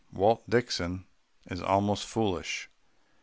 Walt Dixon is almost foolish.